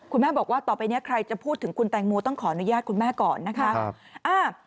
คุณแม่บอกว่าต่อไปนี้ใครจะพูดถึงคุณแตงโมต้องขออนุญาตคุณแม่ก่อนนะคะ